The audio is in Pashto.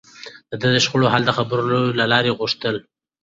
ده د شخړو حل د خبرو له لارې غوښت.